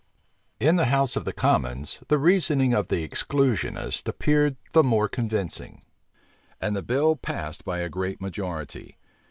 In the house of commons, the reasoning of the exclusionists appeared the more convincing; and the bill passed by a great majority.